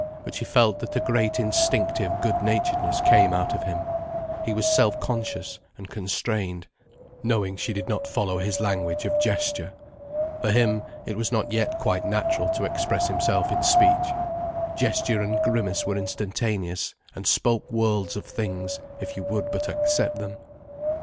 But she felt that a great instinctive good naturedness came out of him, he was self conscious and constrained, knowing she did not follow his language of gesture. For him, it was not yet quite natural to express himself in speech. Gesture and grimace were instantaneous, and spoke worlds of things, if you would but accept them.